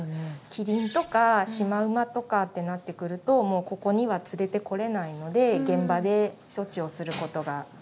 キリンとかシマウマとかってなってくるともうここには連れてこれないので現場で処置をすることが多いですね。